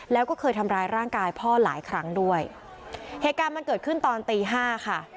แล้วก็เคยทำร้ายร่างกายพ่อหลายครั้งด้วยเหตุการณ์มันเกิดขึ้นตอนตีห้าค่ะ